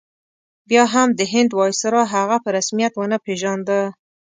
بیا هم د هند ویسرا هغه په رسمیت ونه پېژانده.